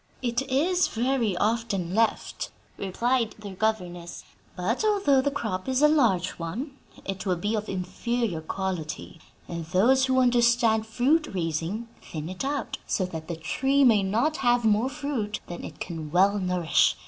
"It is very often left," replied their governess, "but, although the crop is a large one, it will be of inferior quality; and those who understand fruit raising thin it out, so that the tree may not have more fruit than it can well nourish.